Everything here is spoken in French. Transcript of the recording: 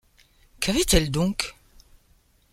Qu’avait-elle donc ?